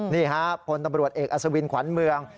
นี่พลตำรวจเอกอสวินขวานเมือง